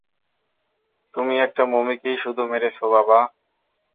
তুমি একটা মমিকেই শুধু মেরেছ, বাবা!